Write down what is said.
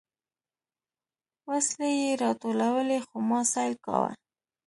وسلې يې راټولولې خو ما سيل کاوه.